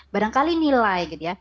barangkali nilai gitu ya